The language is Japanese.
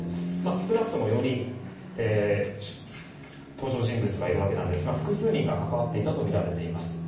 少なくとも４人登場人物がいるわけですが複数人が関わっていたとみられています。